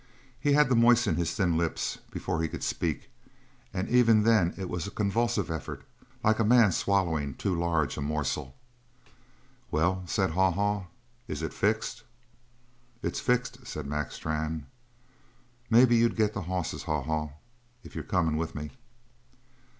He had to moisten his thin lips before he could speak and even then it was a convulsive effort, like a man swallowing too large a morsel. "Well?" said Haw Haw. "Is it fixed?" "It's fixed," said Mac Strann. "Maybe you'd get the hosses, Haw Haw. If you're comin with me?"